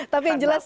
tapi yang jelas